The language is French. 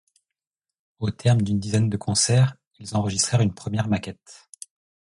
Au terme d'une dizaine de concerts, ils enregistrèrent une première maquette.